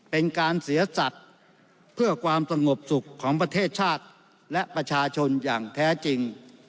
เป็นการเสียสัตว์เพื่อความสงบสุขของประเทศชาติและประชาชนอย่างแท้จริง